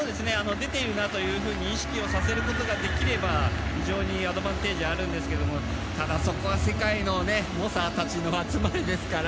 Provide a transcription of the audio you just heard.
出ているなというふうに意識をさせることができれば非常にアドバンテージあるんですがそこは世界の猛者たちの集まりですから。